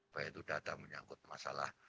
yaitu data menyangkut masalah